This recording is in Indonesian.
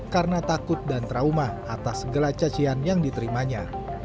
karena takut dan trauma atas segala cacian yang diterimanya